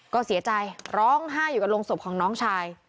ก็เสียใจร้องไห้อยู่กับโรงศพของน้องชาย